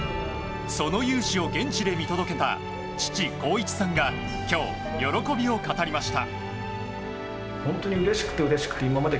その雄姿を現地で見届けた父・浩一さんが今日、喜びを語りました。